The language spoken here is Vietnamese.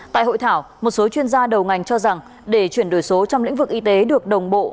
tại hội thảo một số chuyên gia đầu ngành cho rằng để chuyển đổi số trong lĩnh vực y tế được đồng bộ